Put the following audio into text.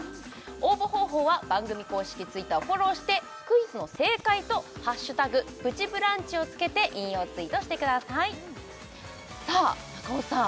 応募方法は番組公式Ｔｗｉｔｔｅｒをフォローしてクイズの正解と「＃プチブランチ」をつけて引用ツイートしてくださいさあ中尾さん